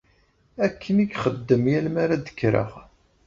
Akken i ixeddem yal mi ara d-kkreɣ.